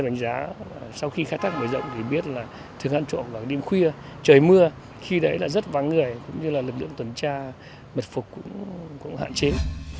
theo đánh giá sau khi khai thác mùa rộng thì biết là thường hạn trộm vào đêm khuya trời mưa khi đấy là rất vắng người cũng như là lực lượng tuần tra mật phục cũng hạn chế